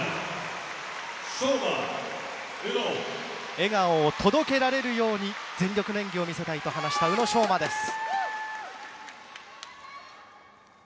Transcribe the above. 笑顔を届けられるように全力の演技を見せたいと話した宇野昌磨です。